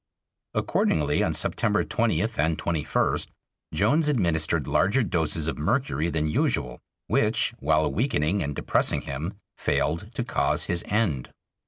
Accordingly, on September 20th and 21st, Jones administered larger doses of mercury than usual, which, while weakening and depressing him, failed to cause his end.